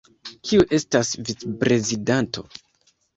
Kiu estas vicprezidanto?